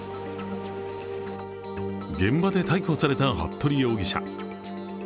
現場で逮捕された服部容疑者。